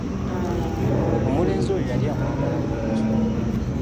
Omulenzi oyo yali amwagalako ki?